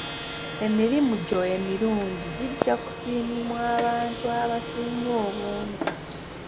Emirimu gyo emirungi gijja kusiimibwa abantu abasinga obungi.